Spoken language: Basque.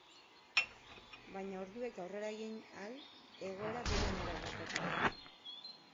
Baina orduek aurrera egin ahal egoera bere onera bueltatu da.